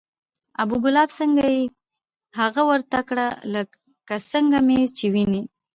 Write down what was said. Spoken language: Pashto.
ابو کلاب څنګه یې؟ هغه ورته کړه لکه څنګه مې چې وینې،